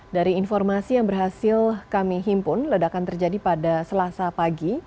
dari informasi yang berhasil kami himpun ledakan terjadi pada selasa pagi